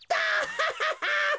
ハハハハハ。